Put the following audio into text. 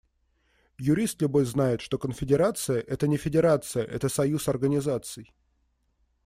Юрист любой знает, что конфедерация – это не федерация, это союз организаций.